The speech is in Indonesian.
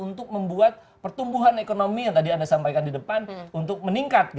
untuk membuat pertumbuhan ekonomi yang tadi anda sampaikan di depan untuk meningkat